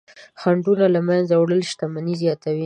خنډونه له منځه وړل شتمني زیاتوي.